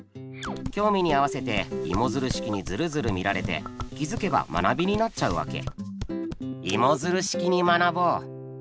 興味に合わせてイモヅル式にヅルヅル見られて気づけば学びになっちゃうわけ。